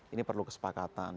ini perlu kesepakatan